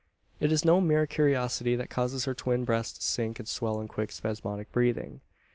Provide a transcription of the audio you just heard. It is no mere curiosity that causes her twin breasts to sink and swell in quick spasmodic breathing.